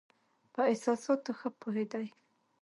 په احساساتو ښه پوهېدی.